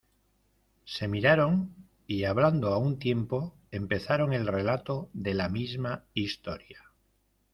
se miraron, y hablando a un tiempo empezaron el relato de la misma historia: